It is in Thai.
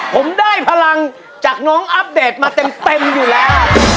ผมได้พลังจากน้องอัปเดตมาเต็มอยู่แล้ว